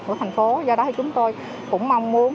của thành phố do đó thì chúng tôi cũng mong muốn